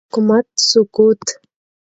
حکومت سقوط